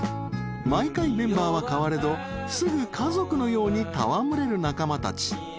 ［毎回メンバーはかわれどすぐ家族のように戯れる仲間たち］